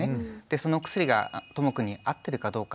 そのお薬がともくんに合ってるかどうか。